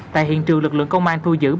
tại hiện trường lực lượng công an thu giữ